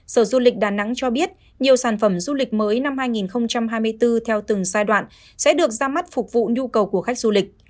sở du lịch đà nẵng cho biết nhiều sản phẩm du lịch mới năm hai nghìn hai mươi bốn theo từng giai đoạn sẽ được ra mắt phục vụ nhu cầu của khách du lịch